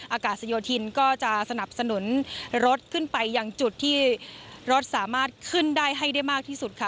อากาศโยธินก็จะสนับสนุนรถขึ้นไปยังจุดที่รถสามารถขึ้นได้ให้ได้มากที่สุดค่ะ